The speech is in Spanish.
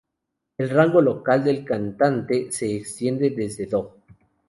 El rango vocal del cantante se extiende desde Do.